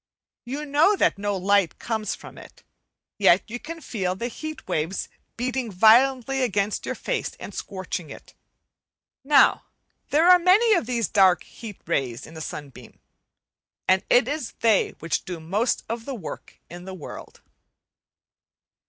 You know that no light comes from it, yet you can feel the heat waves beating violently against your face and scorching it. Now there are many of these dark heat rays in a sunbeam, and it is they which do most of the work in the world.